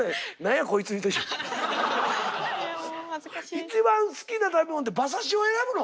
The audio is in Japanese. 一番好きな食べ物で馬刺しを選ぶの？